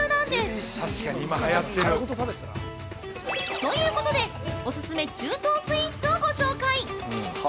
◆ということでオススメ中東スイーツをご紹介！